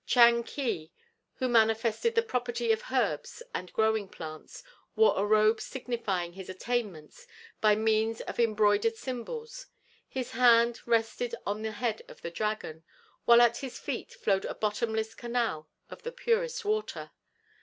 Tchang Ki, who manifested the property of herbs and growing plants, wore a robe signifying his attainments by means of embroidered symbols. His hand rested on the head of the dragon, while at his feet flowed a bottomless canal of the purest water.